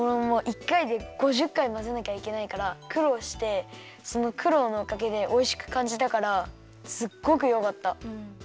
もう１かいで５０かいまぜなきゃいけないからくろうしてそのくろうのおかげでおいしくかんじたからすっごくよかった。